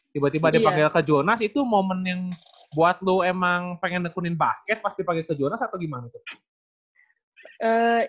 tiba tiba dipanggil ke jonas itu momen yang buat lo emang pengen tekunin basket pas dipanggil ke jonas atau gimana tuh